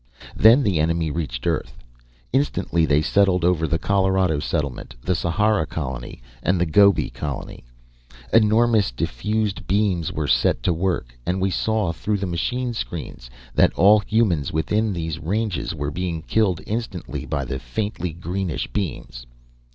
Then the enemy reached Earth. Instantly they settled over the Colorado settlement, the Sahara colony, and the Gobi colony. Enormous, diffused beams were set to work, and we saw, through the machine screens, that all humans within these ranges were being killed instantly by the faintly greenish beams.